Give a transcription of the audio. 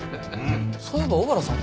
そういえば小原さん